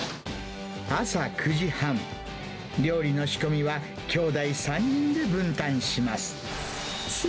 朝９時半、料理の仕込みはきょうだい３人で分担します。